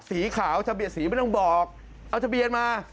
สีขาวสีไม่ต้องบอกเอาสะเบียนมา